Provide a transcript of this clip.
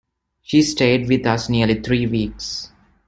She stayed with us nearly three weeks.